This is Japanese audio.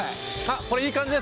これいい感じです。